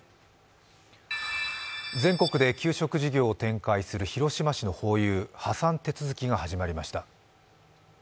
全国で給食事業を展開する広島市のホーユー、破産手続きが始まりました。